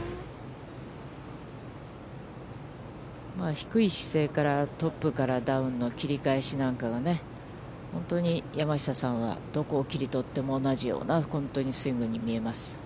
低い姿勢からトップからダウンの切り返しなんかがね、本当に山下さんは、どこを切り取っても同じような本当にスイングに見えます。